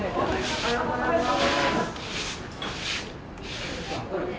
おはようございます。